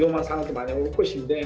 ada banyak pemain yang baru masuk ke final